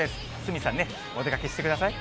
鷲見さんね、お出かけしてください。